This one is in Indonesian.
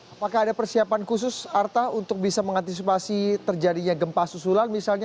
apakah ada persiapan khusus artha untuk bisa mengantisipasi terjadinya gempa susulan misalnya